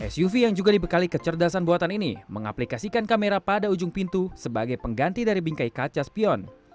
suv yang juga dibekali kecerdasan buatan ini mengaplikasikan kamera pada ujung pintu sebagai pengganti dari bingkai kaca spion